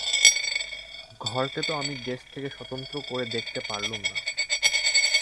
ঘরকে তো আমি দেশ থেকে স্বতন্ত্র করে দেখতে পারলুম না।